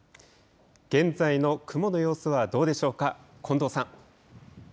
現在の雲の様子はどうでしょうか、近藤さん。